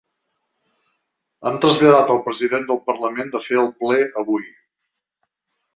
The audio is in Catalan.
Hem traslladat al president del parlament de fer el ple avui.